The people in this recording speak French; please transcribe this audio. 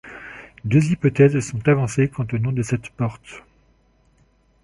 Deux hypothèses sont avancées quant au nom de cette porte.